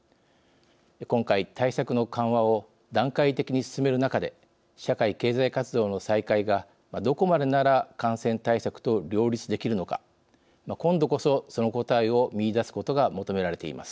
今回、対策の緩和を段階的に進める中で社会経済活動の再開がどこまでなら感染対策と両立できるのか今度こそその答えを見いだすことが求められています。